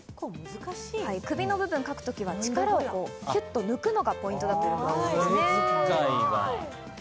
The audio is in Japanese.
首の部分を描くときは、力を抜くのがポイントだということです。